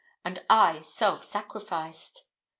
and I self sacrificed!